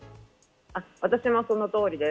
私もその通りです。